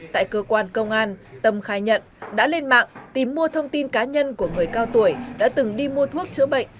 tại cơ quan công an tâm khai nhận đã lên mạng tìm mua thông tin cá nhân của người cao tuổi đã từng đi mua thuốc chữa bệnh